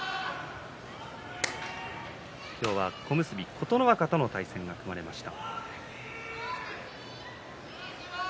今日は小結琴ノ若との対戦が組まれました。